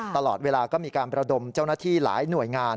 ตลอดเวลาก็มีการประดมเจ้าหน้าที่หลายหน่วยงาน